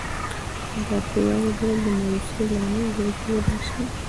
او دا په یوه ډول د مایوسۍ لامل ګرځېدای شي